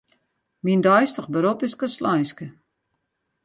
Myn deistich berop is kastleinske.